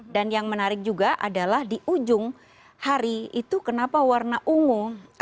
dan yang menarik juga adalah di ujung hari itu kenapa warna ungu